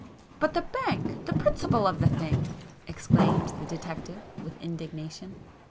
"But the bank,—the principle of the thing!" exclaimed the detective with indignation.